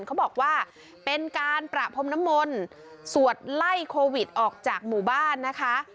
เขาบอกว่าเป็นการประพรมน้ำมนต์สวดไล่โควิดออกจากหมู่บ้านนะคะ